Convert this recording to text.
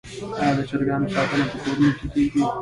آیا د چرګانو ساتنه په کورونو کې کیږي؟